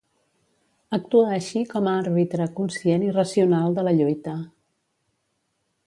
Actua així com a àrbitre conscient i racional de la lluita.